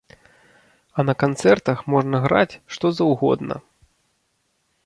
А на канцэртах можна граць, што заўгодна.